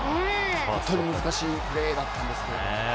本当に難しいプレーだったんですけれども。